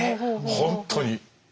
本当に。